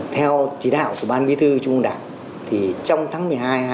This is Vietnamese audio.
theo chỉ đạo của ban mỹ thư trung quốc đảng thì trong tháng một mươi hai hai nghìn hai mươi một